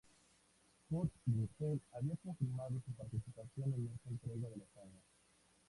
Kurt Russell había confirmado su participación en esta entrega de la saga.